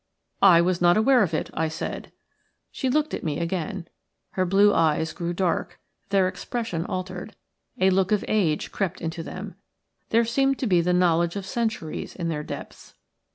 "I was not aware of it," I said. She looked at me again; her blue eyes grew dark, their expression altered, a look of age crept into them – there seemed to be the knowledge of centuries in their depths.